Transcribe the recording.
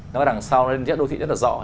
nó ở đằng sau đô thị rất là rõ